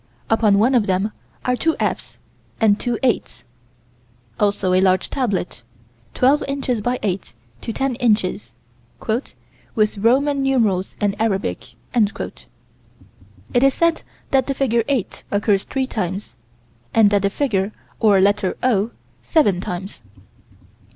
Upon one of them are two "F's" and two "8's." Also a large tablet, twelve inches by eight to ten inches "with Roman numerals and Arabic." It is said that the figure "8" occurs three times, and the figure or letter "O" seven times.